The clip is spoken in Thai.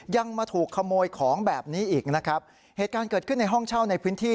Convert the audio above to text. ยังมาถูกขโมยของแบบนี้อีกนะครับเหตุการณ์เกิดขึ้นในห้องเช่าในพื้นที่